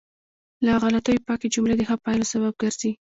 له غلطیو پاکې جملې د ښه پایلو سبب ګرځي.